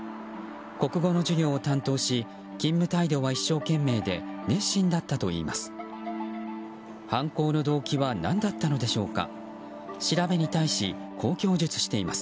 国語の授業を担当し勤務態度は一生懸命で熱心だったといいます。